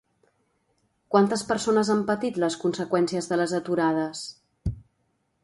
Quantes persones han patit les conseqüències de les aturades?